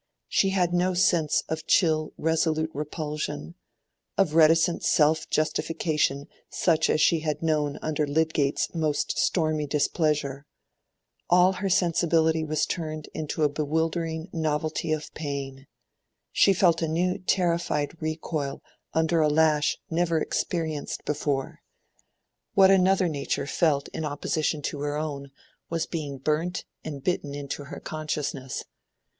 She had no sense of chill resolute repulsion, of reticent self justification such as she had known under Lydgate's most stormy displeasure: all her sensibility was turned into a bewildering novelty of pain; she felt a new terrified recoil under a lash never experienced before. What another nature felt in opposition to her own was being burnt and bitten into her consciousness.